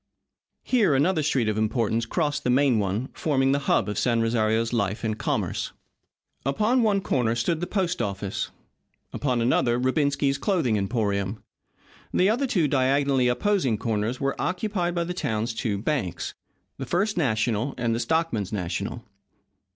Here another street of importance crossed the main one, forming the hub of San Rosario's life and commerce. Upon one corner stood the post office. Upon another Rubensky's Clothing Emporium. The other two diagonally opposing corners were occupied by the town's two banks, the First National and the Stockmen's National.